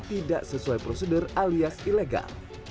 tidak sesuai prosedur alias ilegal